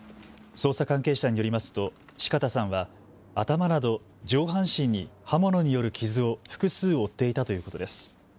捜査関係者によりますと四方さんは頭など上半身に刃物による傷を複数負っていたということです。